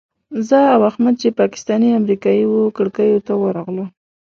زه او احمد چې پاکستاني امریکایي وو کړکیو ته ورغلو.